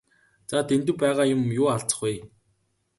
За Дэндэв байгаа юм юу алзах вэ?